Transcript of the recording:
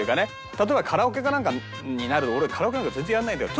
例えばカラオケかなんかになる俺カラオケなんか全然やらないんだよ。